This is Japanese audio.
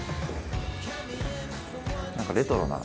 何かレトロな。